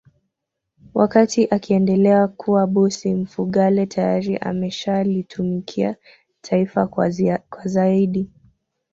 Wakati akiendelea kuwa bosi Mfugale tayari ameshalitumikia taifa kwa zaidi